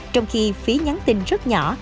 trong khi phí nhắn tin rất nhỏ